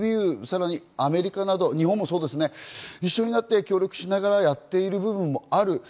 ＥＵ、さらにアメリカなど日本もそうです、一緒になって協力しながらやっている部分もある。